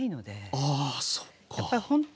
あそっか。